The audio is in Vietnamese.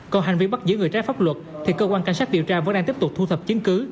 còn hành vi bắt giữ người trái pháp luật thì cơ quan cảnh sát điều tra vẫn đang tiếp tục thu thập chứng cứ